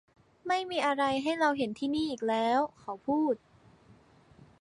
ไม่มีอะไรให้เราเห็นที่นี่อีกแล้วเขาพูด